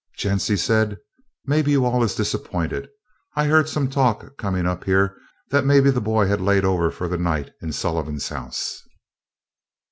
"Gents," he said, "maybe you all is disappointed. I heard some talk comin' up here that maybe the boy had laid over for the night in Sullivan's house.